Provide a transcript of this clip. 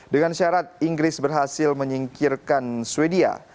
dengan syarat inggris berhasil menyingkirkan sweden